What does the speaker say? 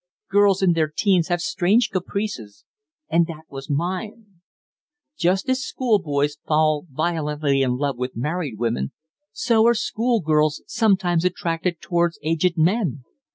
Girls in their teens have strange caprices, and that was mine. Just as schoolboys fall violently in love with married women, so are schoolgirls sometimes attracted towards aged men.